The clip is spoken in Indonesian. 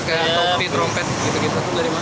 kayak topi trompet gitu gitu